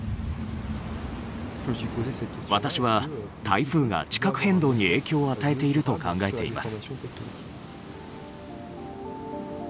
私は台風が地殻変動に影響を与えていると考えています。